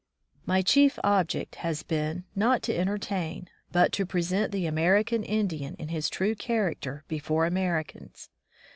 My chief object has been, not to entertain, but to present the American Indian in his true character before Americans.